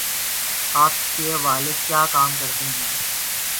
آپ کے والد کیا کام کرتے ہیں